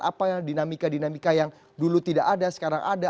apa yang dinamika dinamika yang dulu tidak ada sekarang ada